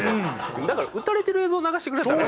だから打たれてる映像流してくれたら。